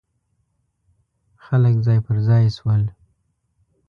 خلک ځای پر ځای شول.